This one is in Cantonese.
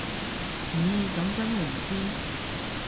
咦噉真係唔知